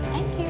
terima kasih om